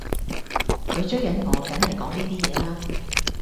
佢追緊我,緊係講呢啲嘢啦